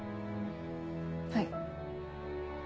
はい。